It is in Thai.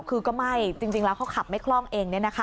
คือก็ไหม้จริงแล้วเขาขับไม่คล่องเอง